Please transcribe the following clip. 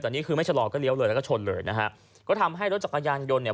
แต่นี่คือไม่ชะลอก็เลี้ยวเลยแล้วก็ชนเลยนะฮะก็ทำให้รถจักรยานยนต์เนี่ย